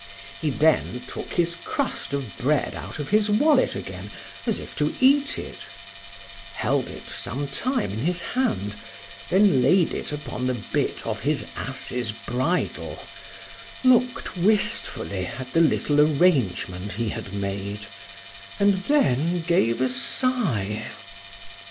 He then took his crust of bread out of his wallet again, as if to eat it; held it some time in his hand,—then laid it upon the bit of his ass's bridle,—looked wistfully at the little arrangement he had made—and then gave a sigh.